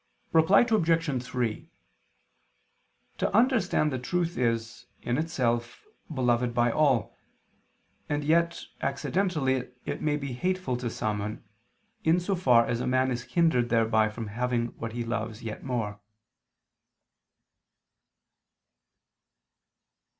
Reply Obj. 3: To understand the truth is, in itself, beloved by all; and yet, accidentally it may be hateful to someone, in so far as a man is hindered thereby from having what he loves yet more.